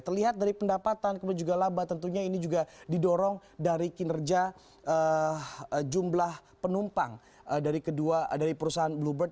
terlihat dari pendapatan kemudian juga laba tentunya ini juga didorong dari kinerja jumlah penumpang dari perusahaan bluebird